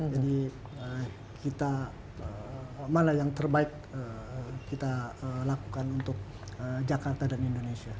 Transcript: jadi mana yang terbaik kita lakukan untuk jakarta dan indonesia